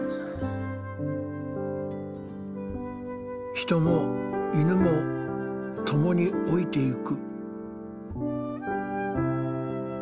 人も犬も共に老いていく。